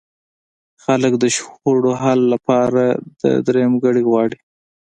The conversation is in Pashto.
خلک د شخړو حل لپاره درېیمګړی غواړي.